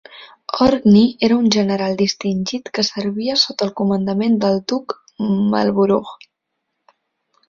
Orkney era un general distingit que servia sota el comandament del duc Marlborough.